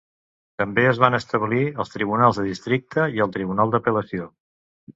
També es van establir els tribunals de districte i el tribunal d'apel·lació.